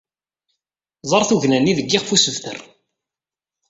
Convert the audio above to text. Ẓer tugna-nni deg yixef usebter.